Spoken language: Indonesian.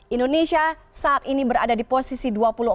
indonesia saat ini berada di posisi dua puluh empat